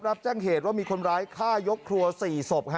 รับแจ้งเหตุว่ามีคนร้ายฆ่ายกครัว๔ศพ